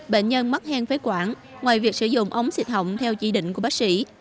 bệnh nhân mắc hen phế quản ngoài việc sử dụng ống xịt hỏng theo chỉ định của bác sĩ